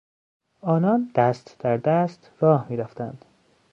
آنان دست در دست راه میرفتند.